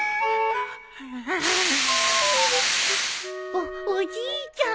おっおじいちゃん！